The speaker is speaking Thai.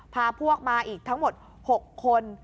พาพวกมาอีกทั้งหมด๖คน